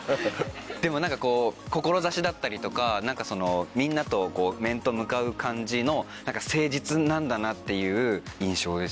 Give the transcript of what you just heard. でも何かこう志だったりとかみんなと面と向かう感じの誠実なんだなっていう印象ですよね。